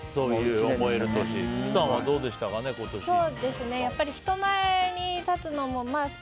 輝＆輝さんはどうでしたかね？